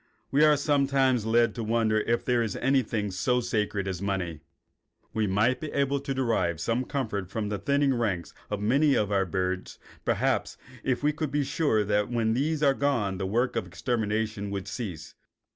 We are sometimes led to wonder if there is anything so sacred as money. We might be able to derive some comfort from the thinning ranks of many of our birds, perhaps, if we could be sure that when these were gone the work of extermination would cease.